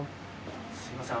すみません